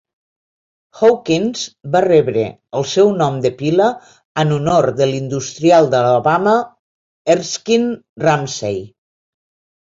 Hawkins va rebre el seu nom de pila en honor de l'industrial d'Alabama Erskine Ramsay.